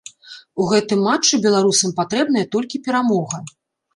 У гэтым матчы беларусам патрэбная толькі перамога.